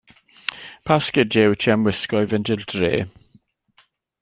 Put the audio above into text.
Pa sgidie wyt ti am wisgo i fynd i'r dre?